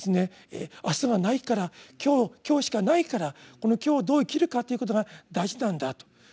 明日がないから今日今日しかないからこの今日をどう生きるかということが大事なんだと。